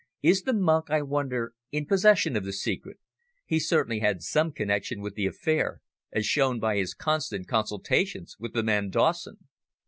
"Is the monk, I wonder, in possession of the secret? He certainly had some connexion with the affair, as shown by his constant consultations with the man Dawson."